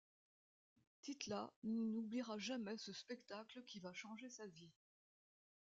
Tytla n'oubliera jamais ce spectacle qui va changer sa vie.